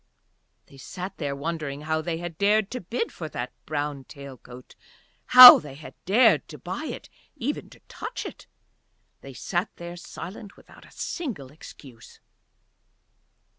They sat there wondering how they had dared to bid for that brown tail coat, how they had dared to buy it, even to touch it, they sat there silent without a single excuse.